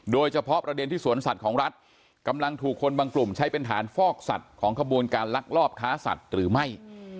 โดยเฉพาะประเด็นที่สวนสัตว์ของรัฐกำลังถูกคนบางกลุ่มใช้เป็นฐานฟอกสัตว์ของขบวนการลักลอบค้าสัตว์หรือไม่